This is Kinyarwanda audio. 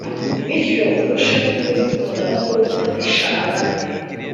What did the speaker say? bityo urusheho kurukunda no kurukundisha abandi.